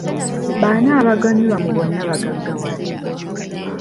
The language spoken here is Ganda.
Baani abaganyulwa mu bonna bagaggawale?